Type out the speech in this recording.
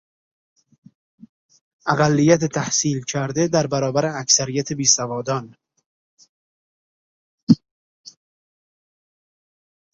اقلیت تحصیل کرده در برابر اکثریت بیسوادان